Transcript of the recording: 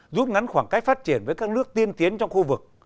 rút ngắn khoảng cách phát triển với các nước tiên tiến trong khu vực